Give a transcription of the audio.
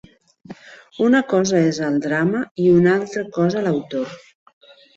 Una cosa és el drama i una altra cosa l'autor